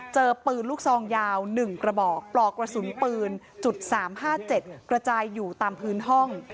เจอปืนลูกซองยาว๑กระบอกปลอกกระสุนปืน๓๕๗กระจายอยู่ตามพื้นห้อง